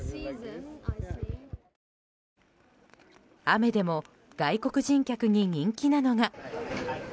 雨でも、外国人客に人気なのが。